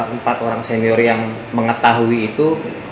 empat orang senior yang mengetahui itu